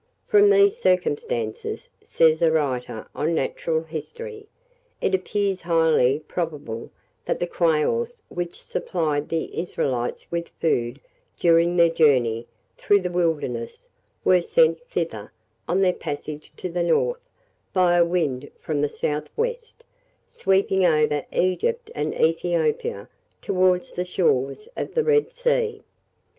"From these circumstances," says a writer on natural history, "it appears highly probable that the quails which supplied the Israelites with food during their journey through the wilderness, were sent thither, on their passage to the north, by a wind from the south west, sweeping over Egypt and Ethiopia towards the shores of the Red Sea."